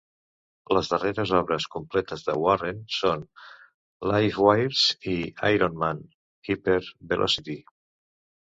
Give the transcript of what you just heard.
Les darreres obres completes de Warren són "Livewires" i "Iron Man: Hypervelocity".